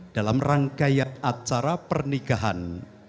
dalam rangkaian acara pernikahan